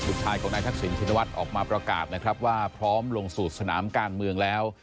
สุดท้ายของนายทักษิณชินวัฒน์ออกมาประกาศนะครับว่าพร้อมลงสู่สนามการเมืองแล้ว